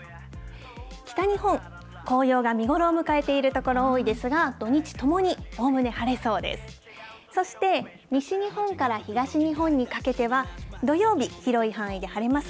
北日本、紅葉が見頃を迎えている所、多いですが、土日ともにおおむね晴れそうです。